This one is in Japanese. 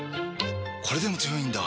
これでも強いんだ！